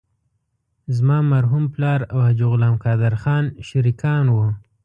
زما مرحوم پلار او حاجي غلام قادر خان شریکان وو.